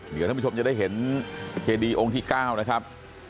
เดี๋ยวท่านผู้ชมจะได้เห็นเจดีองค์ที่๙นะครับ